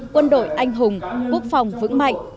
quân đội anh hùng quốc hội hà nội